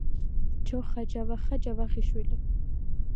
ჯოხა ჯავახა ჯავახიშვილი